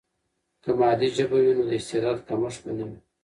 که مادي ژبه وي، نو د استعداد کمښت به نه وي.